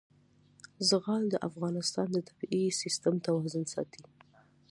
زغال د افغانستان د طبعي سیسټم توازن ساتي.